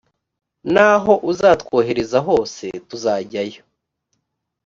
n’aho uzatwohereza hose, tuzajyayo.